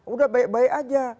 udah baik baik aja